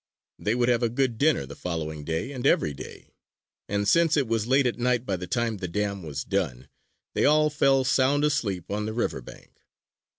They would have a good dinner the following day and every day! And since it was late at night by the time the dam was done, they all fell sound asleep on the river bank.